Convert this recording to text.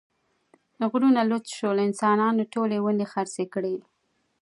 غرونه لوڅ شول، انسانانو ټولې ونې خرڅې کړې.